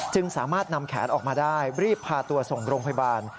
สามารถนำแขนออกมาได้รีบพาตัวส่งโรงพยาบาล